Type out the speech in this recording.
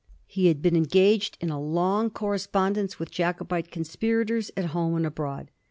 He had been engaged in a long correspondence with Jacobite conspirators at home and abroad.